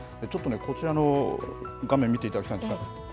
こちらの画面見ていただきたいんですけれど。